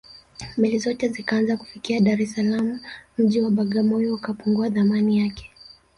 meli zote zikaanza kufikia dar es salaam mji wa bagamoyo ukapungua thamani yake